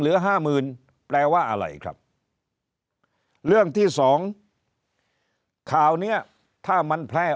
เหลือ๕๐๐๐๐แปลว่าอะไรครับเรื่องที่๒ข่าวเนี่ยถ้ามันแพร่